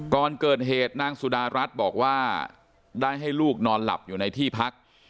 ก่อนเกิดเหตุนางสุดารัฐบอกว่าได้ให้ลูกนอนหลับอยู่ในที่พัก